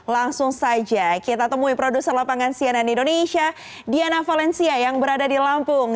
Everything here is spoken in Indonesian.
langsung saja kita temui produser lapangan cnn indonesia diana valencia yang berada di lampung